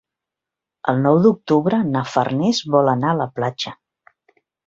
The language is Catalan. El nou d'octubre na Farners vol anar a la platja.